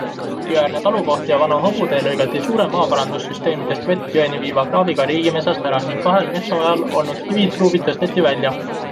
Jõeäärne talukoht ja vana hobutee lõigati suure, maaparandussüsteemidest vett jõeni viiva kraaviga riigimetsast ära ning kahel metsaojal olnud kivitruubid tõsteti välja.